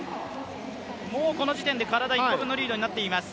もうこの時点で体１個分のリードになっています。